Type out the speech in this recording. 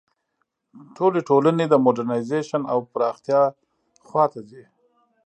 ټولې ټولنې د موډرنیزېشن او پراختیا خوا ته ځي.